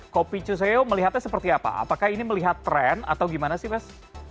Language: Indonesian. kopi cuseo melihatnya seperti apa apakah ini melihat tren atau gimana sih mas